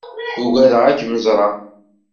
Ugadeɣ ad kem-ẓreɣ.